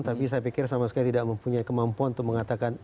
tapi saya pikir sama sekali tidak mempunyai kemampuan untuk mengatakan